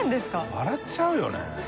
笑っちゃうよね。